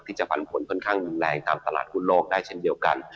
จะปันผลค่อนข้างรุนแรงตามตลาดหุ้นโลกได้เช่นเดียวกัน